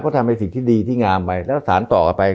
ก็ทำในสิ่งที่ดีที่งามไปแล้วสารต่อกันไป